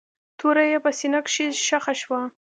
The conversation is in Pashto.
توره يې په سينه کښې ښخه شوه.